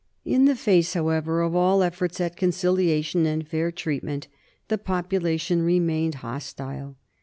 In the face, however, of all efforts at conciliation and fair treatment the population remained hostile.